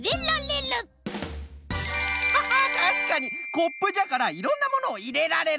コップじゃからいろんなものをいれられる。